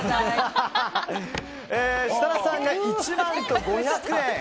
設楽さんが１万５００円。